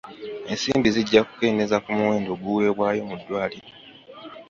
Ensimbi zijja kukendeeza ku muwendo oguweebwayo mu ddwaliro.